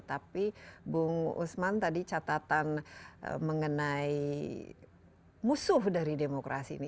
tapi bung usman tadi catatan mengenai musuh dari demokrasi ini